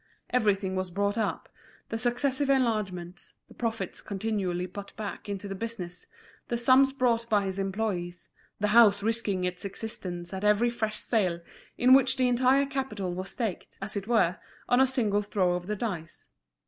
Everything was brought up, the successive enlargements, the profits continually put back into the business, the sums brought by his employees, the house risking its existence at every fresh sale, in which the entire capital was staked, as it were, on a single throw of the dice.